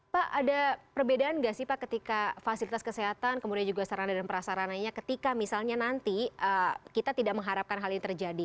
pak ada perbedaan nggak sih pak ketika fasilitas kesehatan kemudian juga sarana dan prasarananya ketika misalnya nanti kita tidak mengharapkan hal ini terjadi